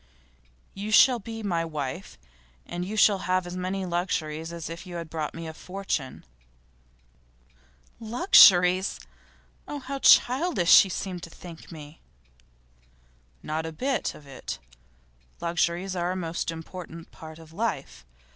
You shall be my wife, and you shall have as many luxuries as if you had brought me a fortune.' 'Luxuries! Oh, how childish you seem to think me!' 'Not a bit of it. Luxuries are a most important part of life.